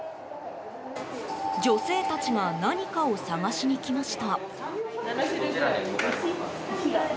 女性たちが何かを探しにきました。